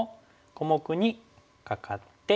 小目にカカって。